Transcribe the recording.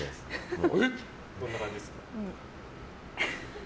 どんな感じですか？